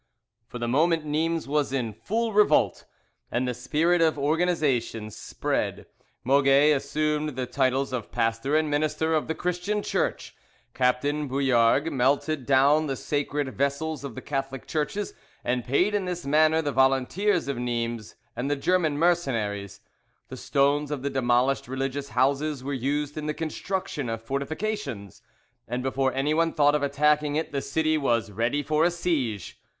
For the moment Nimes was in full revolt, and the spirit of organisation spread: Moget assumed the titles of pastor and minister of the Christian Church. Captain Bouillargues melted down the sacred vessels of the Catholic churches, and paid in this manner the volunteers of Nimes and the German mercenaries; the stones of the demolished religious houses were used in the construction of fortifications, and before anyone thought of attacking it the city was ready for a siege.